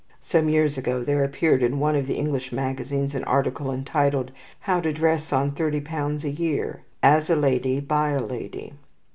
Some years ago there appeared in one of the English magazines an article entitled, "How to Dress on Thirty Pounds a Year. As a Lady. By a Lady."